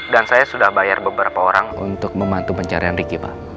dan saya sudah bayar beberapa orang untuk membantu pencarian ricky pak